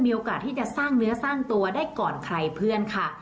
มีโอกาสที่จะสร้างเนื้อสร้างตัวได้ก่อนใครเพื่อนค่ะ